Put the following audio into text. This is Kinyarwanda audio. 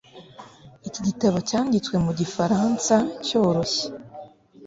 iki gitabo cyanditswe mu gifaransa cyoroshye